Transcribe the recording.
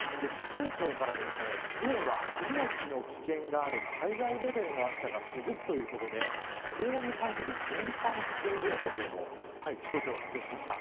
気象庁から昨日は命の危険がある災害レベルの暑さが続くということで高温に関する全般気象情報というもの気象庁が発表しました。